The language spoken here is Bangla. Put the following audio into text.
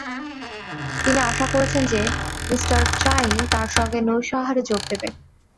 তিনি আশা করেছেন যে, মি ট্রাইন তাঁর সঙ্গে নৈশ আহারে যোগ দেবেন।